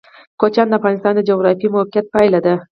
کوچیان د افغانستان د جغرافیایي موقیعت پایله ده.